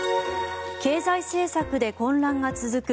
経済政策で混乱が続く